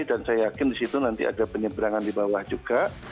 dan saya yakin di situ nanti ada penyeberangan di bawah juga